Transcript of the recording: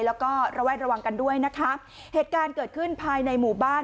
แล้วก็ระแวดระวังกันด้วยนะคะเหตุการณ์เกิดขึ้นภายในหมู่บ้าน